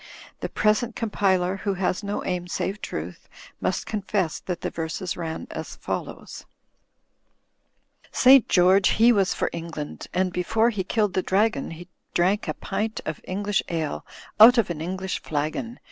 The present compiler (who has no aim save truth) must confess that the verses ran as follows: — "St. George he was for England, And before he killed the dragon He drank a pint of English ale Out of an English flagon.